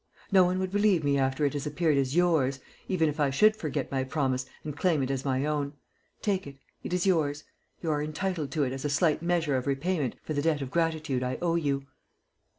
No one would believe me after it has appeared as yours, even if I should forget my promise and claim it as my own. Take it. It is yours. You are entitled to it as a slight measure of repayment for the debt of gratitude I owe you."